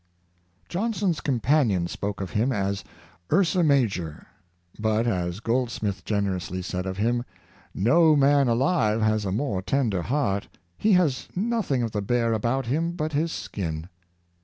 Johnson's companion spoke of him as " Ursa Ma jor;" but, as Goldsmith generously said of him, " No Good Humor and Simplicity, 535 man alive has a more tender heart; he has nothing of the bear about him but his skin."